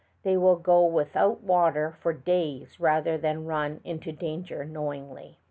They will go without water for days rather than run into danger knowingly.